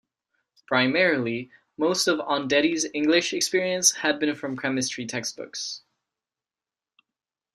Primarily, most of Ondetti's English experience had been from chemistry textbooks.